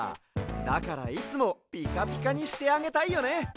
だからいつもピカピカにしてあげたいよね。